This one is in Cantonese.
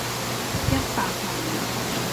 一百萬